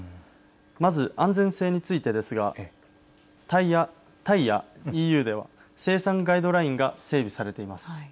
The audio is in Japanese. まず、安全性についてですがタイやＥＵでは生産ガイドラインが整備されています。